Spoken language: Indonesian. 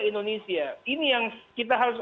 indonesia ini yang kita harus